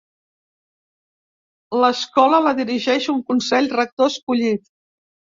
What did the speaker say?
L'escola la dirigeix un consell rector escollit.